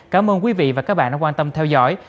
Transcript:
cảm ơn quý vị và các bạn đã quan tâm theo dõi